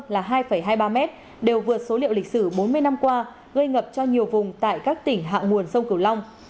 là hai hai mươi ba m đều vượt số liệu lịch sử bốn mươi năm qua gây ngập cho nhiều vùng tại các tỉnh hạng nguồn sông cửu long